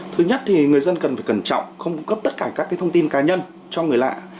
thứ nhất thì người dân cần phải cẩn trọng không cung cấp tất cả các thông tin cá nhân cho người lạ